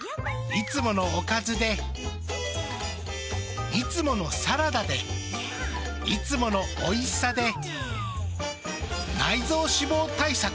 いつものおかずでいつものサラダでいつものおいしさで内臓脂肪対策。